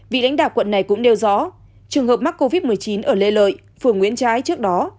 vị lãnh đạo quận này cũng đeo rõ trường hợp mắc covid một mươi chín ở lê lợi phường nguyễn trái trước đó